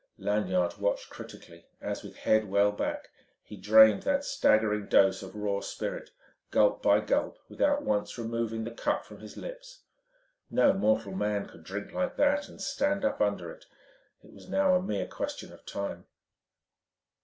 Lanyard watched critically as, with head well back, he drained that staggering dose of raw spirit gulp by gulp without once removing the cup from his lips. No mortal man could drink like that and stand up under it: it was now a mere question of time....